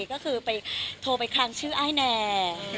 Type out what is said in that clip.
ก็คือโทรไปคลางชื่อไอ้แน่เอออะไรอย่างนี้